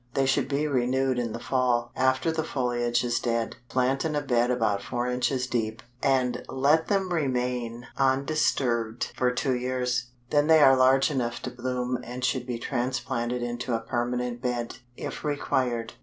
They should be renewed in the fall, after the foliage is dead. Plant in a bed about four inches deep, and let them remain undisturbed for two years; then they are large enough to bloom and should be transplanted into a permanent bed, if required.